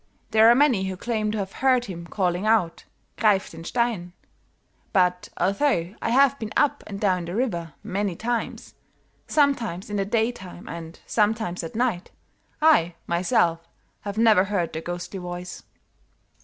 There are many who claim to have heard him calling out, 'Grief den Stein,' but although I have been up and down the river many times, sometimes in the daytime and sometimes at night, I, myself, have never heard the ghostly voice."